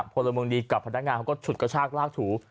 พลเมืองดีกับพนักงานเขาก็ฉุดกระชากลากถู